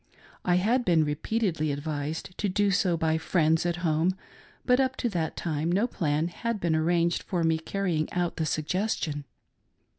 I had been repeatedly advised to do so by friends at home, but up to that time no plan had been arranged for carrying out the suggestion.